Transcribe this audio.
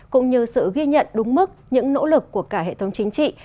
cũng như sự ghi nhận đúng mức những nỗ lực của cả hệ thống chính trị